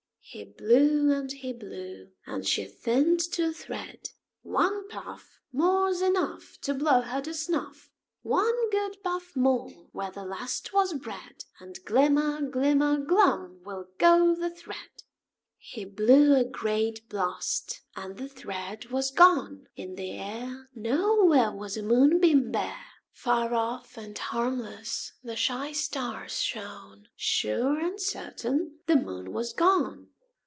He blew and he blew, and she thinned to a thread. "One puff More's enough To blow her to snuff! One good puff more where the last was bred, And glimmer, glimmer, glum will go the thread!" He blew a great blast, and the thread was gone; In the air Nowhere Was a moonbeam bare; Far off and harmless the shy stars shone; Sure and certain the Moon was gone.